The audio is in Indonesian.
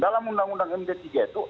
dalam undang undang mdpg itu